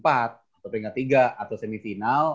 atau peringkat tiga atau semifinal